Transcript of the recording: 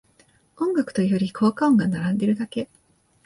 音楽というより効果音が並んでるだけ